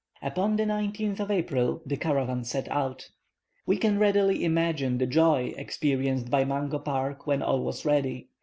Upon the 19th of April the caravan set out. We can readily imagine the joy experienced by Mungo Park when all was ready.